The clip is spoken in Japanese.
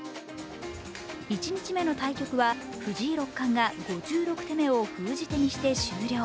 １日目の対局は藤井六冠が５６手目を封じ手にして終了。